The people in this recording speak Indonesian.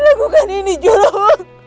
jangan lakukan ini julum